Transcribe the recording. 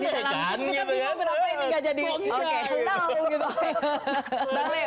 kita pindahin berapa ini nggak jadi isu